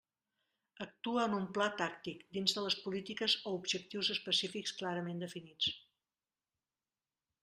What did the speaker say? Actua en un pla tàctic, dins de les polítiques o objectius específics clarament definits.